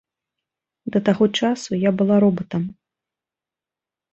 Да таго часу я была робатам.